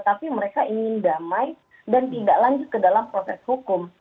tapi mereka ingin damai dan tidak lanjut ke dalam proses hukum